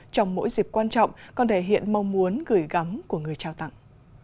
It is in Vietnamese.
trong mỗi dịp quan trọng còn thể hiện mong muốn gửi gắm của người trao tặng